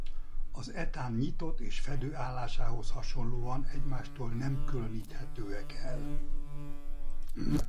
Az etán nyitott és fedő állásához hasonlóan egymástól nem különíthetőek el.